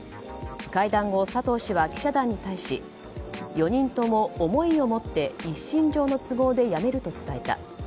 会談後、佐藤氏は記者団に対し４人とも思いを持って一身上の都合で辞めると伝えた。